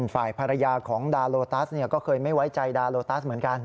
ฝ่ายภรรยาของดาโลตัสก็เคยไม่ไว้ใจดาโลตัสเหมือนกัน